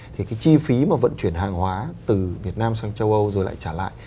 thì cái chi phí mà vận chuyển hàng hóa từ việt nam sang châu âu rồi lại trả lại